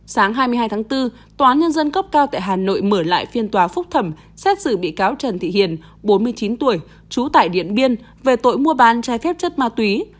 sáng hai mươi hai tháng bốn tòa án nhân dân cấp cao tại hà nội mở lại phiên tòa phúc thẩm xét xử bị cáo trần thị hiền bốn mươi chín tuổi trú tại điện biên về tội mua bán trái phép chất ma túy